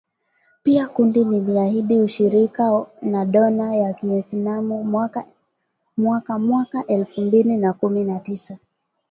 Pia kundi liliahidi ushirika na dola ya Kiislamu mwaka mwaka elfu mbili na kumi na tisa